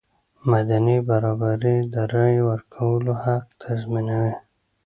مدني برابري د رایې ورکولو حق تضمینوي.